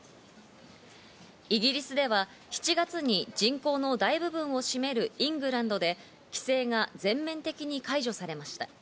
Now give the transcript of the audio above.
イギリスでは７月に人口の大部分を占めるイングランドで規制が全面的に解除されました。